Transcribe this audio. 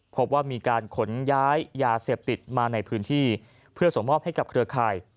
พบว่ามีการขนย้ายยาเสพติดมาในพื้นที่เพื่อส่งมอบให้กับเครือข่าย